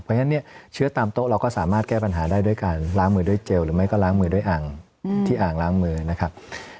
เพราะฉะนั้นเนี่ยเชื้อตามโต๊ะเราก็สามารถแก้ปัญหาได้ด้วยการล้างมือด้วยเจลหรือไม่ก็ล้างมือด้วยอ่างที่อ่างล้างมือนะครับ